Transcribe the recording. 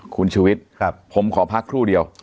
คุณชุวิตผมขอพักครู่เดียว